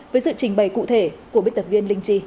với sự trình bày cụ thể của bích tập viên linh trì